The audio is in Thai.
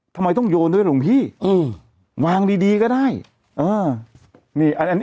ทำไมต้องโยนด้วยหลวงพี่อืมวางดีดีก็ได้เออนี่อันนี้